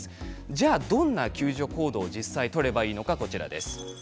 じゃあどんな救助行動を実際に取ればいいのか。